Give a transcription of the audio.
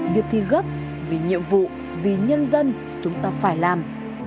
việc thì gấp vì nhiệm vụ vì nhân dân chúng ta phải làm